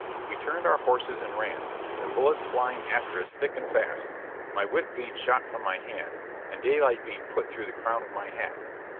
We turned our horses and ran, the bullets flying after us thick and fast my whip being shot from my hand and daylight being put through the crown of my hat.